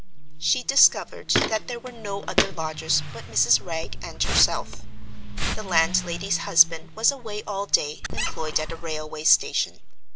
She discovered that there were no other lodgers but Mrs. Wragge and herself. The landlady's husband was away all day, employed at a railway station.